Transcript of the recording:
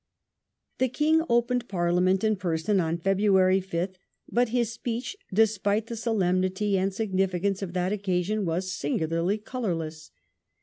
The King opened Parliament in person on February 5th, but Work of his speech, despite the solemnity and significance of that occasion, sion was singularly colourless.